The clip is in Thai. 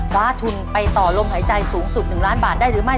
คว้าทุนไปต่อลมหายใจสูงสุด๑ล้านบาทได้หรือไม่